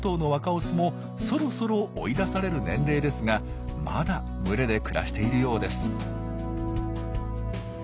オスもそろそろ追い出される年齢ですがまだ群れで暮らしているようです。